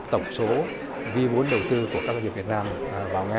tổng số vi vốn đầu tư của các doanh nghiệp việt nam vào nga